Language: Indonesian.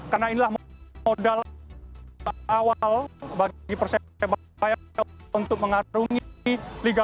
karena inilah modal awal bagi persebaya untuk mengatasi liga dua